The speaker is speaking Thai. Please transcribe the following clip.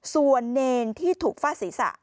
ส่วนเณรที่ถูกฟาสีสะ